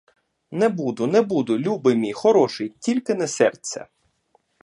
Не буду, не буду, любий мій, хороший; тільки не сердься!